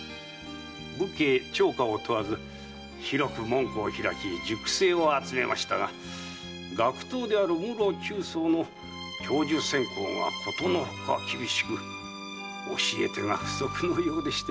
武家町家を問わず広く門戸を開き塾生は集めましたが学頭である室鳩巣の教授選考がことのほか厳しく教え手が不足のようでして。